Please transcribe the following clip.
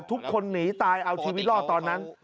ทุกคนหนีตายเอาชีวิตรอดตอนนั้น